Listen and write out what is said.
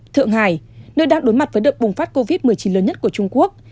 thượng hải nơi đang đối mặt với đợt bùng phát covid một mươi chín lớn nhất của trung quốc